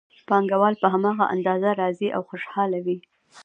پانګوال په هماغه اندازه راضي او خوشحاله وي